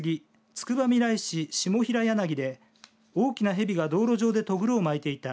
つくばみらい市下平柳で大きな蛇が道路上でとぐろを巻いていた。